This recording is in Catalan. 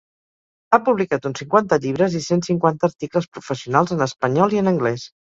Ha publicat uns cinquanta llibres i cent cinquanta articles professionals en espanyol i en anglès.